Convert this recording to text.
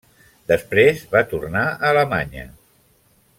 Després va tornar a Alemanya.